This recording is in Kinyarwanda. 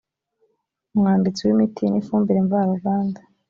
umwanditsi w imiti n ifumbire mvaruganda